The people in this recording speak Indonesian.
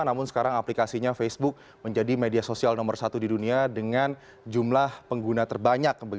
namun sekarang aplikasinya facebook menjadi media sosial nomor satu di dunia dengan jumlah pengguna terbanyak